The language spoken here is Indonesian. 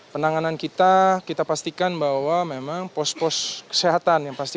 penanganan kita kita pastikan bahwa memang pos pos kesehatan yang pasti